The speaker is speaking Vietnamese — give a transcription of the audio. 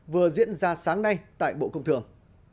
vừa diễn ra sáng nay tại bộ công thường